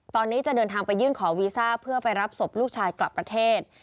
ตอนนี้จะเดินทางไปยื่นขอวีซ่าเพื่อไปรับศพลูกชายกลับประเทศ